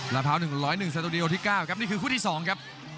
พร้าว๑๐๑สตูดิโอที่๙ครับนี่คือคู่ที่๒ครับ